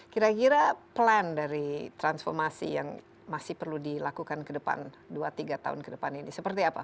kira kira plan dari transformasi yang masih perlu dilakukan kedepan dua tiga tahun kedepan ini seperti apa fadli